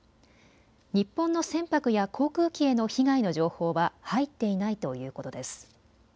日本の船舶や航空機への被害の情報は入っていないということです。